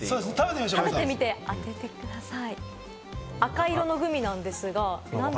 食べてみて当ててください。